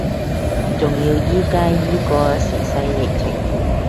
仲要依家依個時勢疫情